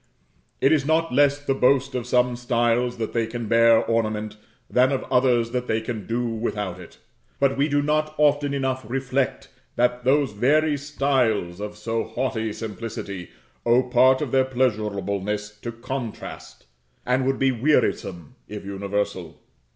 It is not less the boast of some styles that they can bear ornament, than of others that they can do without it; but we do not often enough reflect that those very styles, of so haughty simplicity, owe part of their pleasurableness to contrast, and would be wearisome if universal.